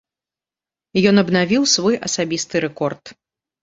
Ён абнавіў свой асабісты рэкорд.